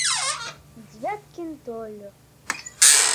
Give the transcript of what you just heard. Девяткин тольо.